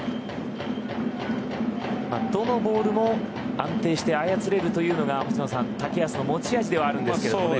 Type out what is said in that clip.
どのボールも安定して操れるというのが竹安の持ち味ではあるんですけどね。